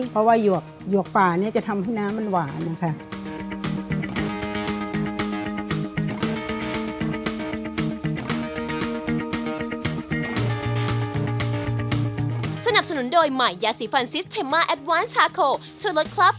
เพราะว่าหยวกป่าเนี่ยจะทำให้น้ำมันหวานนะคะ